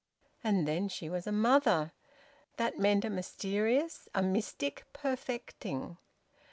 And then she was a mother! That meant a mysterious, a mystic perfecting!